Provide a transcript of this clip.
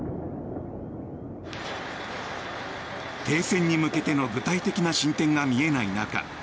停戦に向けての具体的な進展が見えない中